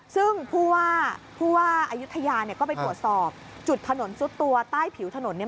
ซึ่งผู้ว่าผู้ว่าอายุทยาเนี่ยก็ไปตรวจสอบจุดถนนซุดตัวใต้ผิวถนนเนี่ย